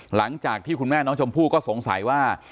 หลังจากที่คุณแม่น้องชมพู่ก็สงสัยว่า